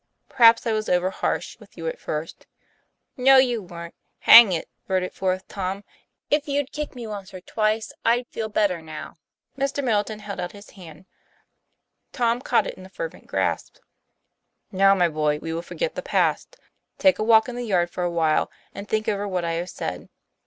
Perhaps I was over harsh with you at first " "No, you weren't. Hang it, "blurted forth Tom, " if you'd kicked me once or twice, I'd feel better now. ' Mr. Middleton held out his hand; Tom caught it in a fervent grasp. " Now my boy, we will forget the past. Take a walk in the yard for a while, and think over what I have said.